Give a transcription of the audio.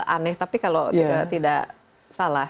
aneh tapi kalau tidak salah